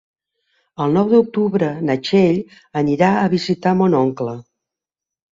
El nou d'octubre na Txell anirà a visitar mon oncle.